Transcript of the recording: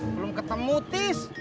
belum ketemu tis